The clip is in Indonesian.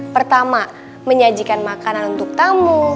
pertama menyajikan makanan untuk tamu